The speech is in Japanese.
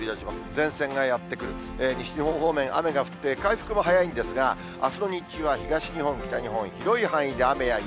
前線がやって来る、西日本方面、雨が降って、回復も早いんですが、あすの日中は東日本、北日本、広い範囲で雨や雪。